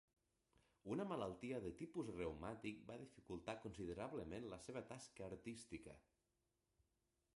Una malaltia de tipus reumàtic va dificultar considerablement la seva tasca artística.